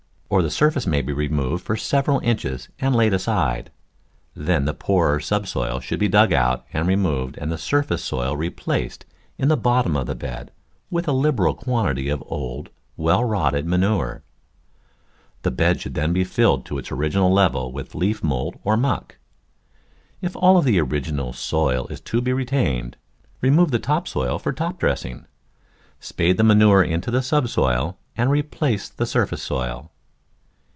Or the surface may be removed for several inches and laid aside. Then the poorer subsoil should be dug out and removed and the surface soil replaced in the bot tom of the bed with a liberal quantity of old, well rotted manure. The bed should then be filled to its original level with leaf mould or muck. If all the original soil is to be retained, remove the top soil for top dressing. Spade the manure into the subsoil and replace the surface soil.